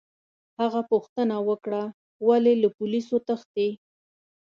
هغه پوښتنه وکړه: ولي، له پولیسو تښتې؟